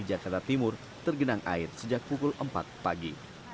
jakarta timur tergenang air sejak pukul empat pagi